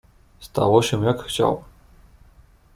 "Stało się jak chciał."